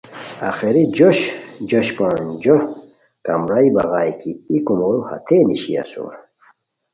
آخری جوش جوشپونجو کمرائی بغائے کی ای کومورو ہتئے نیشی اسور